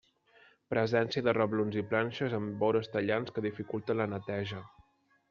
Presència de reblons i planxes amb vores tallants que dificulten la neteja.